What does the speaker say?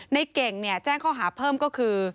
ในเก่งแจ้งข้อหาเพิ่มก็คือ